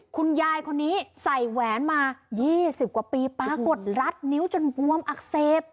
คุณยายคนนี้ใส่แหวนมา๒๐กว่าปีปรากฏรัดนิ้วจนบวมอักเสบ